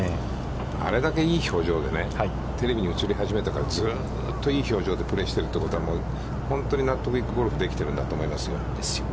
あれだけ、いい表情でテレビに映り始めたからずうっと、いい表情でプレーしてるということは、本当に納得いくゴルフができているんだと思いますよ。